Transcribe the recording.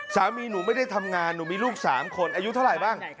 สามีหนูไม่ได้ทำงานหนูมีลูก๓คนอายุเท่าไหร่บ้าง